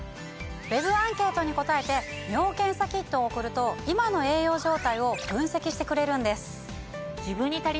ＷＥＢアンケートに答えて尿検査キットを送ると今の栄養状態を分析してくれるんです。